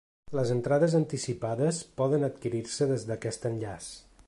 Les entrades anticipades poden adquirir-se des d’aquest enllaç.